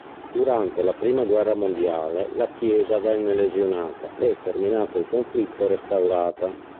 Durante la prima guerra mondiale la chiesa venne lesionata e, terminato il conflitto, restaurata.